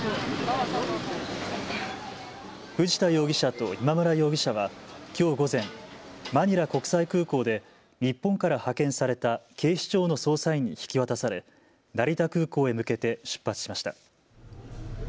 藤田容疑者と今村容疑者はきょう午前、マニラ国際空港で日本から派遣された警視庁の捜査員に引き渡され成田空港へ向けて出発しました。